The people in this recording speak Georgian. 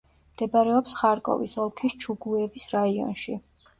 მდებარეობს ხარკოვის ოლქის ჩუგუევის რაიონში.